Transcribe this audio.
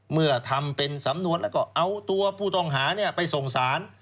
เมื่อทำเป็นสำนวนแล้วก็เอาตัวผู้ต้องหาไปส่งสาร